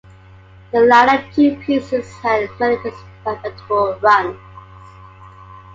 The latter two pieces had merely respectable runs.